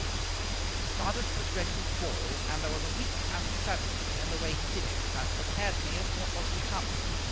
He started to address his ball, and there was a weak uncertainty in the way he did it that prepared me for what was to come.